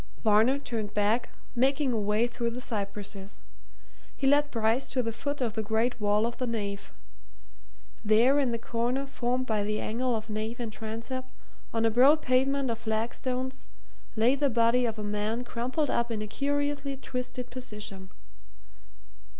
Varner turned back, making a way through the cypresses. He led Bryce to the foot of the great wall of the nave. There in the corner formed by the angle of nave and transept, on a broad pavement of flagstones, lay the body of a man crumpled up in a curiously twisted position.